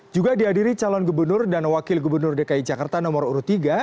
juga dihadiri calon gubernur dan wakil gubernur dki jakarta nomor urut tiga